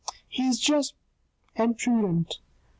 He is just and prudent.